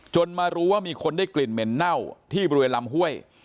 มารู้ว่ามีคนได้กลิ่นเหม็นเน่าที่บริเวณลำห้วย